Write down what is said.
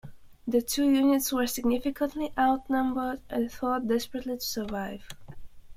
The two units were significantly outnumbered and fought desperately to survive.